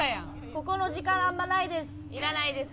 ここの時間あんまないです。